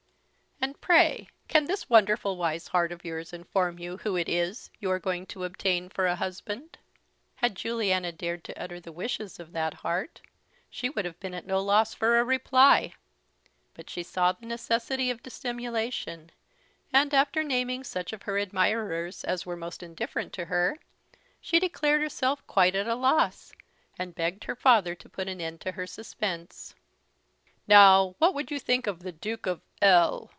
"And pray, can this wonderful wise heart of yours inform you who it is you are going to obtain for a husband?" Had Lady Juliana dared to utter the wishes of that heart she would have been at no loss for a reply; but she saw the necessity of dissimulation; and after naming such of her admirers as were most indifferent to her, she declared herself quite at a loss, and begged her father to put an end to her suspense. "Now, what would you think of the Duke of L